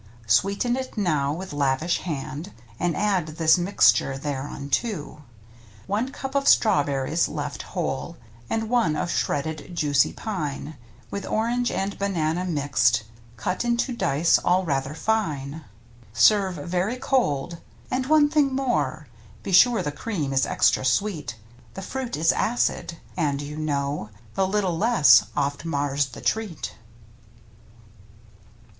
, Sweeten it now with lavish hand, And add this mixture thereunto. One cup of strawberries left whole, And one of shredded, juicy pine, With orange and banana mixed, Cut into dice all rather fine. Serve very cold. And, one thing more. Be sure the cream is extra sweet. The fruit is acid, and you know " The little less " oft mars the treat.